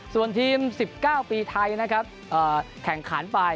ส่วนทีม๑๙ปีไทยนะครับแข่งขันไป